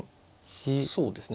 そうですね